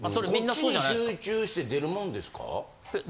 こっちに集中して出るもんですか？